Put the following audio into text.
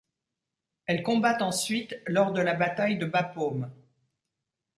Elle combat ensuite lors de la bataille de Bapaume.